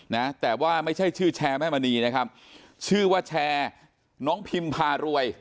นะแต่ว่าไม่ใช่ชื่อแชร์แม่มณีนะครับชื่อว่าแชร์น้องพิมพารวย